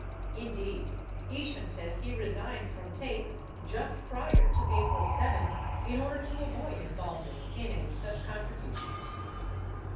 56 Indeed, Isham says he resigned from TAPE just prior to April 7, in order to avoid involvement in any such contributions.